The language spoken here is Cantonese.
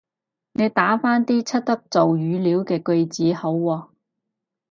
你打返啲出得做語料嘅句子好喎